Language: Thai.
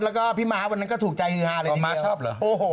แล้วก็พี่ม้าวันนั้นก็ถูกใจฮือหาเลยบ่งว่าม้าชอบเหรอ